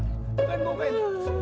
bukain gue pan